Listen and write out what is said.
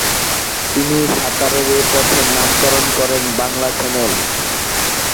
তিনি সাঁতারের এ পথের নামকরণ করেন ‘বাংলা চ্যানেল’।